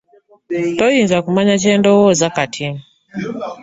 Toyinza kumanya kye ndowooza kati.